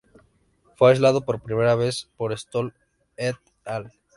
Fue aislado por primera vez por Stoll et al.